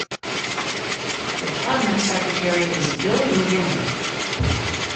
The Cabinet Secretary is Bill McGinley.